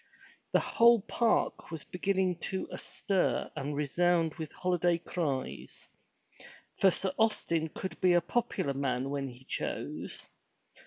The whole park was begin ning to be astir and resound with holiday cries. For Sir Austin could be a popular man when he chose.